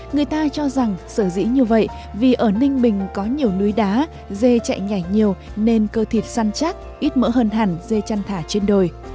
người ta cho rằng sở dĩ như vậy vì ở ninh bình có nhiều núi đá dê chạy nhảy nhiều nên cơ thịt săn chắc ít mỡ hơn hẳn dê chăn thả trên đồi